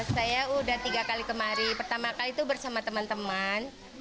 saya udah tiga kali kemari pertama kali itu bersama teman teman